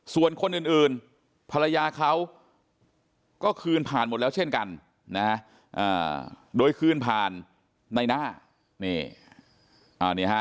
ส่วนคนอื่นภรรยาเขาก็คืนผ่านหมดแล้วเช่นกันนะโดยคืนผ่านในหน้านี่ฮะ